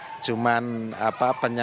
ada kesamaan cerita